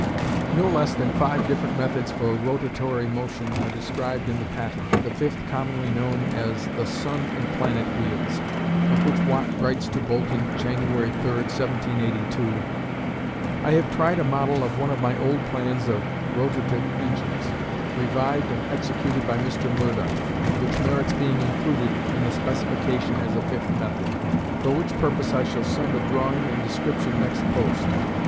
No less than five different methods for rotatory motion are described in the patent, the fifth commonly known as the "sun and planet wheels," of which Watt writes to Boulton, January 3, 1782, I have tried a model of one of my old plans of rotative engines, revived and executed by Mr. Murdoch, which merits being included in the specification as a fifth method; for which purpose I shall send a drawing and description next post.